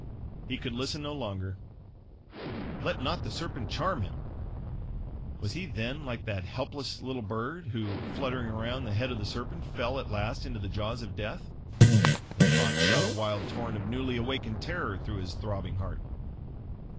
He could listen no longer, "Let not the serpent charm him!" Was he then like that helpless little bird, who fluttering around the head of the serpent, fell at last into the jaws of death? The thought shot a wild torrent of newly awakened terror through his throbbing heart.